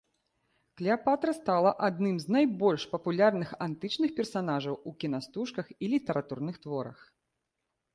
Клеапатра стала адным з найбольш папулярных антычных персанажаў у кінастужках і літаратурных творах.